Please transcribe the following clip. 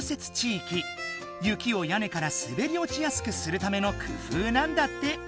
雪を屋根からすべりおちやすくするための工夫なんだって。